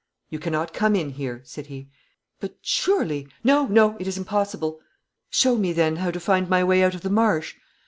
'You cannot come in here,' said he. 'But surely ' 'No, no, it is impossible.' 'Show me then how to find my way out of the marsh.'